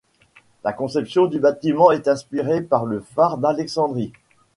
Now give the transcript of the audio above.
La conception du bâtiment est inspirée par le Phare d'Alexandrie.